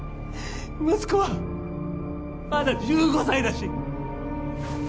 息子はまだ１５歳だし